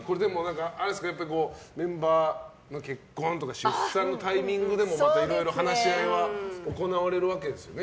メンバーの結婚とか出産のタイミングでもまたいろいろ話し合いは行われるわけですよね。